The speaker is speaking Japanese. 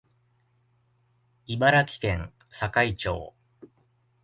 茨城県境町